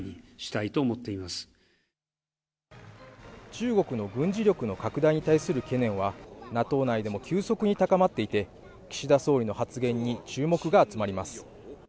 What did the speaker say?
中国の軍事力の拡大に対する懸念はＮＡＴＯ内でも急速に高まっていて岸田総理の発言に注目が集まります。